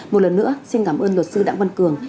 một lần nữa xin cảm ơn luật sư đặng văn cường